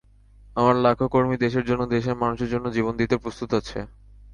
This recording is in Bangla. আমার লাখো কর্মী দেশের জন্য দেশের মানুষের জন্য জীবন দিতে প্রস্তুত আছে।